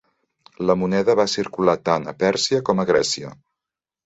La moneda va circular tant a Pèrsia com a Grècia.